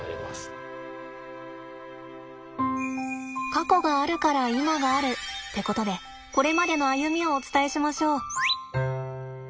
過去があるから今があるってことでこれまでの歩みをお伝えしましょう。